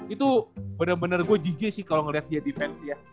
itu bener bener gue jijik sih kalau ngeliat dia defense ya